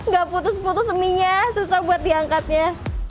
gak putus putus mie nya susah buat diangkatnya